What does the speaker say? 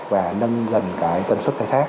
và tầm suất khai thác